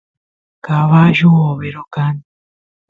cabullu overo kan